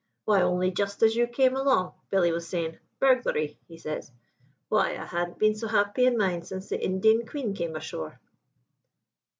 Why, only just as you came along, Billy was saying, 'Burglary!' he says, 'why, I han't been so happy in mind since the Indian Queen came ashore!''